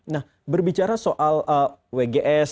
nah berbicara soal wgs